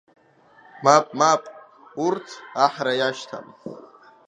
Мап, мап, урҭ аҳра иашьҭам.